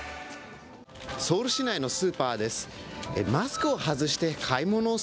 ソウル市内のスーパーです。